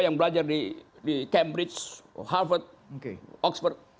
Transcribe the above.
yang belajar di cambridge harvard oxford